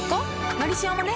「のりしお」もね